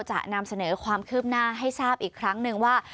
จะนำเสนอความคืบหน้าให้ทราบอีกครั้งหนึ่งว่า